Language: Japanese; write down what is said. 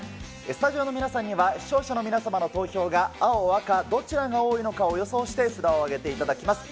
スタジオの皆さんには、視聴者の皆さんの投票が青、赤どちらが多いのかを予想して札をあげていただきます。